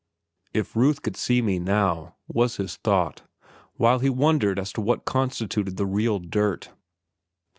If Ruth could see me now, was his thought, while he wondered as to what constituted the real dirt.